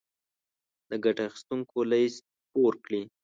د ګټه اخيستونکو ليست خپور کړي.